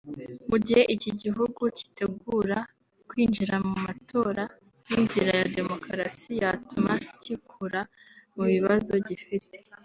Mu gihe iki gihugu kitegura kwinjira mu matora nk’inzira ya demokarasi yatuma kikura mu bibazo gifite